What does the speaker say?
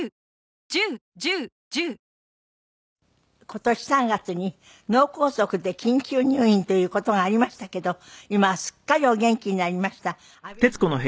今年３月に脳梗塞で緊急入院という事がありましたけど今はすっかりお元気になりましたあべ静江さん。